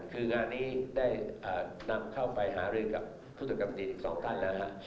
คืองานนี้ได้นำเข้าไปหารื่นกับผู้จดการปฏิสินตรีย์อีก๒ท่านนะฮะ